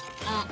あ！